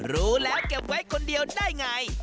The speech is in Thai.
รู้แล้วเก็บไว้คนเดียวได้ไง